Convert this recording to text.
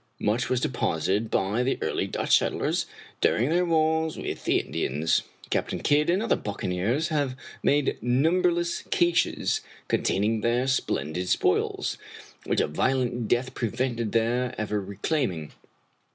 Much was deposited by the early Dutch settlers during their wars with the Indians. Captain Kidd and other buccaneers have made numberless caches con taining their splendid spoils, which a violent death pre vented their ever reclaiming.